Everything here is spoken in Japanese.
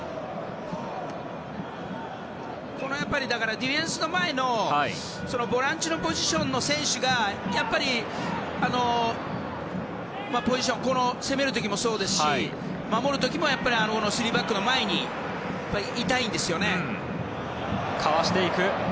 ディフェンスの前のボランチのポジションの選手がやっぱり、攻める時もそうですし守る時も３バックの前にいたいんですよね。